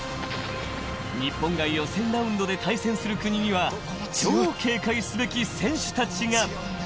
日本が予選ラウンドで対戦する国には、超警戒すべき選手たちが。